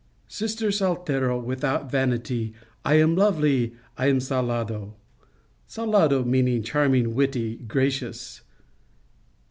2 "Sister Saltero, without vanity, I am lovely, I am salado," salado meaning charming, witty, gracious.